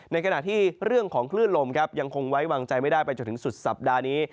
ในขณะที่เรื่องของคลื่นลมครับยังคงไว้วางใจไม่ได้ไปจนถึงสุดสัปดาห์นี้